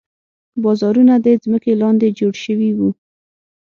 بازارونه د ځمکې لاندې جوړ شوي وو.